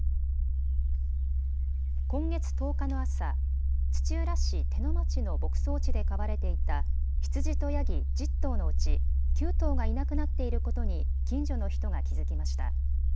今月１０日の朝、土浦市手野町の牧草地で飼われていた羊とヤギ１０頭のうち９頭がいなくなっていることに近所の人が気付きました。